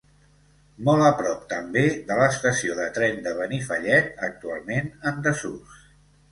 Molt a prop també de l'estació de tren de Benifallet, actualment en desús.